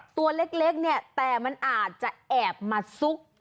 ตัวเล็กเนี่ยแต่มันอาจจะแอบมาซุก